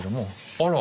あら。